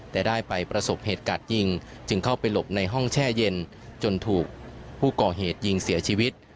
แต่ได้ไปประสบเหตุกาดยิงจึงเข้าไปหลบในห้องแช่เย็นจนถูกผู้ก่อเหตุยิงเสียชีวิต